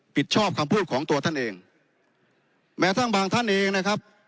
ชอบคำพูดของตัวท่านเองแม้ทั้งบางท่านเองนะครับ